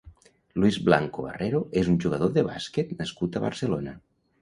Luis Blanco Barrero és un jugador de bàsquet nascut a Barcelona.